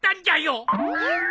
えっ？